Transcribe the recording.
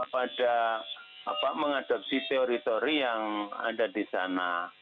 pada mengadopsi teori teori yang ada di sana